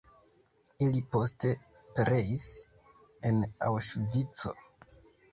Ili poste pereis en Aŭŝvico.